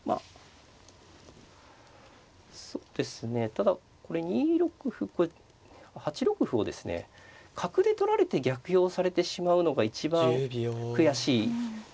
ただこれ２六歩これ８六歩をですね角で取られて逆用されてしまうのが一番悔しいですね